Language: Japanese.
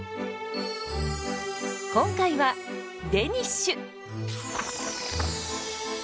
今回はデニッシュ！